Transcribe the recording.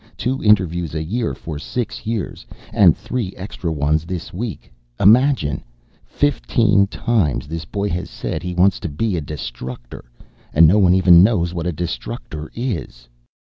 Two interviews a year for six years and three extra ones this week! Imagine! Fifteen times this boy has said he wants to be a Destructor and no one even knows what a Destructor is."